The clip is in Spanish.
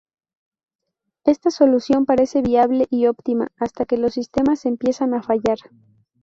Esta solución parece viable y óptima hasta que los sistemas empiezan a fallar.